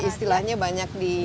istilahnya banyak di